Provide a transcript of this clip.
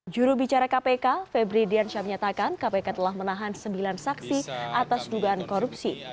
jurubicara kpk febri diansyah menyatakan kpk telah menahan sembilan saksi atas dugaan korupsi